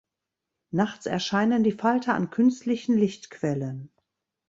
Nachts erscheinen die Falter an künstlichen Lichtquellen.